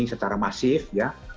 secara masif ya